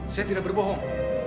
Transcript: saya tidak berbohong